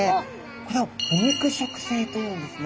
これを腐肉食性というんですね。